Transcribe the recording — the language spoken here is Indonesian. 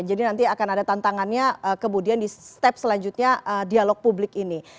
jadi nanti akan ada tantangannya kemudian di step selanjutnya dialog publik ini